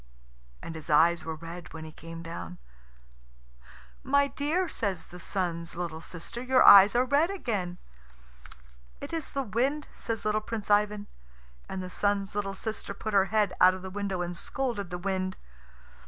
And his eyes were red when he came down. "My dear," says the Sun's little sister, "your eyes are red again." "It is the wind," says little Prince Ivan. And the Sun's little sister put her head out of the window and scolded the wind.